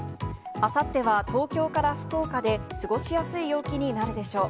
あさっては東京から福岡で、過ごしやすい陽気になるでしょう。